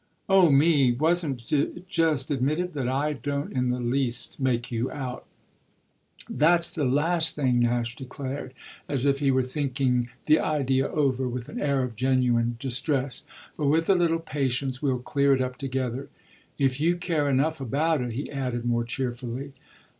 "Oh 'me!' Wasn't it just admitted that I don't in the least make you out?" "That's the last thing!" Nash declared, as if he were thinking the idea over, with an air of genuine distress. "But with a little patience we'll clear it up together if you care enough about it," he added more cheerfully.